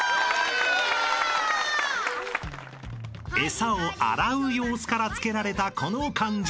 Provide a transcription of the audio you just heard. ［餌を洗う様子から付けられたこの漢字］